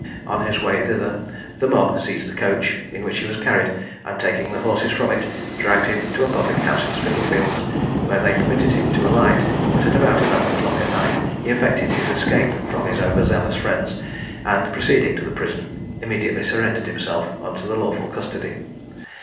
On his way thither the mob seized the coach in which he was carried, and taking the horses from it, dragged him to a public house in Spitalfields, where they permitted him to alight; but at about eleven o'clock at night he effected his escape from his over zealous friends, and proceeding to the prison, immediately surrendered himself into lawful custody.